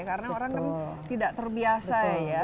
karena orang kan tidak terbiasa ya